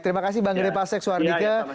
terima kasih bang gede pasek suardike